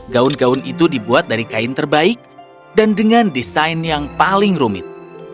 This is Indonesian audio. gaun gaun itu dibuat dari kain terbaik dan dengan desain yang paling rumit